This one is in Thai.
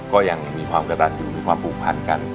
ก็ยังมีความกระตันอยู่มีความผูกพันกัน